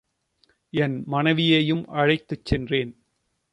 என் மனைவியையும் அழைத்துச் சென்றேன்.